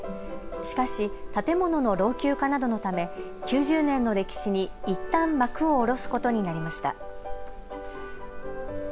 しかし建物の老朽化などのため９０年の歴史にいったん幕を下ろすことになりました。